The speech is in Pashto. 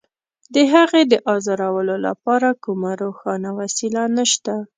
د هغې د ارزولو لپاره کومه روښانه وسیله نشته.